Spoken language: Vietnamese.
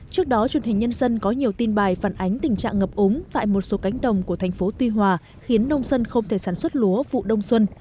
trước đó truyền hình nhân dân có nhiều tin bài phản ánh tình trạng ngập ống tại một số cánh đồng của thành phố tuy hòa khiến nông dân không thể sản xuất lúa vụ đông xuân